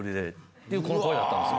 っていうこの声だったんです。